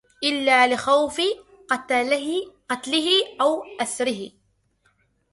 إلَّا لِخَوْفِ قَتْلِهِ أَوْ أَسْرِهِ